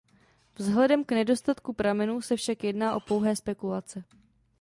Vzhledem k nedostatku pramenů se však jedná o pouhé spekulace.